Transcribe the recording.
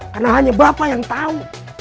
karena hanya bapak yang tahu